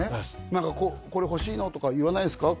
何か「これ欲しいの」とか言わないですか？